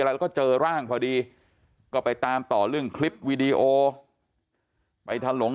แล้วก็เจอร่างพอดีก็ไปตามต่อเรื่องคลิปวีดีโอไปทะหลง